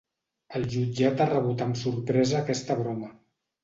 El jutjat ha rebut amb sorpresa aquesta broma